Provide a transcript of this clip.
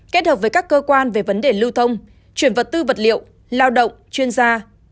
kết hợp với các cơ quan về vấn đề lưu thông chuyển vật tư vật liệu lao động chuyên gia